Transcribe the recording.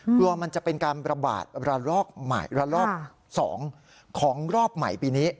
กลัวมันจะเป็นการระบาดระลอกใหม่ระลอก๒ของรอบใหม่ปีนี้